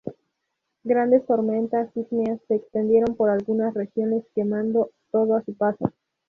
Grandes tormentas ígneas se extendieron por algunas regiones, quemando todo a su paso.